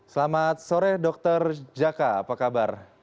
selamat sore dr jaka apa kabar